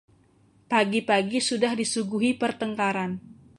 Pagi-pagi sudah disuguhi pertengkaran.